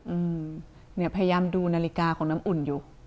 อืมเนี่ยพยายามดูนาฬิกาของน้ำอุ่นอยู่